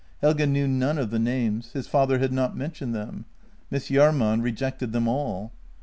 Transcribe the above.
Helge knew none of the names; his father had not mentioned them. Miss Jahrman rejected them all.